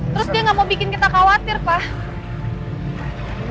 terus dia nggak mau bikin kita khawatir pak